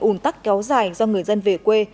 ủng tắc kéo dài do người dân về quê